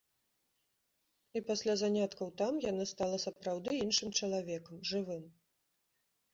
І пасля заняткаў там яна стала сапраўды іншым чалавекам, жывым.